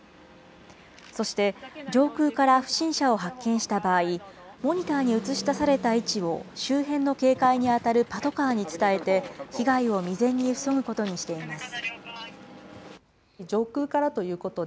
そして上空から不審者を発見した場合、モニターに映し出された位置を、周辺の警戒に当たるパトカーに伝えて、被害を未然に防ぐことにしています。